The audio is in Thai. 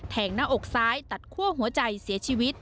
หน้าอกซ้ายตัดคั่วหัวใจเสียชีวิต